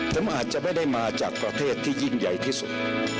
ผมอาจจะไม่ได้มาจากประเทศที่ยิ่งใหญ่ที่สุด